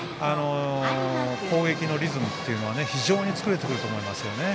攻撃のリズムは非常に作れてくると思います。